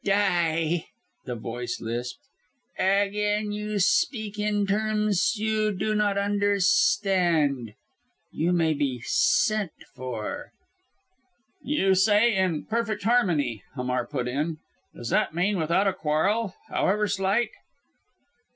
"Die!" the voice lisped. "Again you speak in terms you do not understand. You may be sent for." "You say in perfect harmony." Hamar put in. "Does that mean without a quarrel, however slight?"